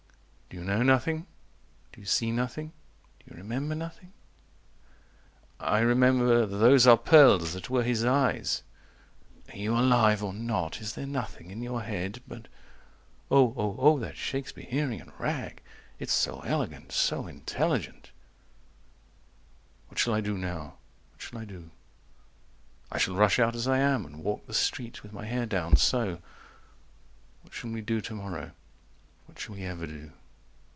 120 "Do "You know nothing? Do you see nothing? Do you remember "Nothing?" I remember Those are pearls that were his eyes. "Are you alive, or not? Is there nothing in your head?" But O O O O that Shakespeherian Rag— It's so elegant So intelligent 130 "What shall I do now? What shall I do?" I shall rush out as I am, and walk the street "With my hair down, so. What shall we do tomorrow? "What shall we ever do?"